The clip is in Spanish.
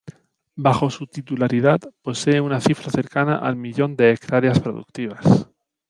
Bajo su titularidad posee una cifra cercana al millón de hectáreas productivas.